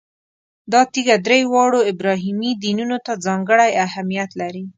دا تیږه درې واړو ابراهیمي دینونو ته ځانګړی اهمیت لري.